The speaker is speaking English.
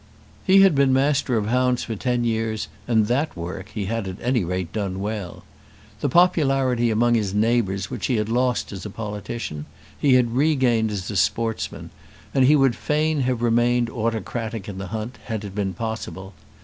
He had been master of hounds for ten years, and that work he had at any rate done well. The popularity among his neighbours which he had lost as a politician he had regained as a sportsman, and he would fain have remained autocratic in the hunt, had it been possible.